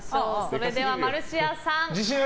それではマルシアさん。